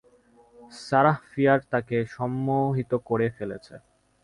Sarah Fier তাকে সম্মোহিত করে ফেলেছে।